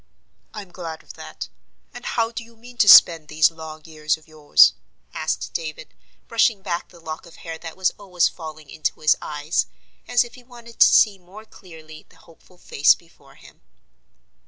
"I'm glad of that; and how do you mean to spend these long years of yours?" asked David, brushing back the lock of hair that was always falling into his eyes, as if he wanted to see more clearly the hopeful face before him.